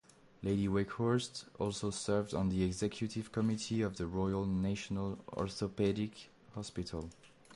Lady Wakehurst also served on the executive committee of the Royal National Orthopaedic Hospital.